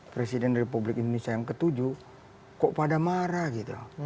presiden republik indonesia yang ketujuh kok pada marah gitu